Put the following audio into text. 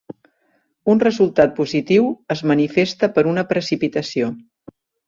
Un resultat positiu es manifesta per una precipitació.